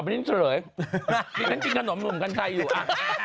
ต่อไปนี่เฉลยกินขนมหนุ่มกันชัยอยู่อะ